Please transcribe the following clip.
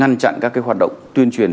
ngăn chặn các hoạt động tuyên truyền